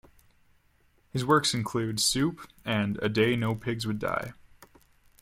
His works include "Soup" and "A Day No Pigs Would Die".